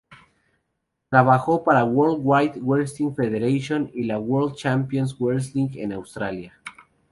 Trabajó para la World Wide Wrestling Federation y la World Championship Wrestling en Australia.